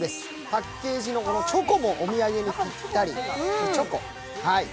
パッケージのチョコもお土産にぴったり。